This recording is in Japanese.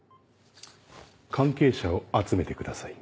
関係者を集めてください。